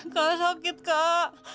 kak sakit kak